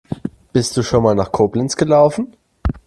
Bist du schon mal nach Koblenz gelaufen?